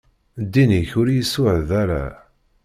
Ddin-ik ur iyi-suɛed ara.